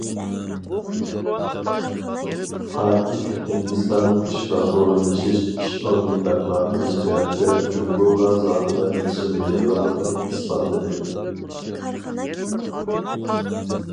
پاكىت ھىندىستاننىڭ ئىشقا ئورۇنلىشىش ئىش ئورنى بەرپا قىلىش جەھەتتە جۇڭگوغا زادىلا يېتىشەلمەيدىغانلىقىنى ئىسپاتلىدى.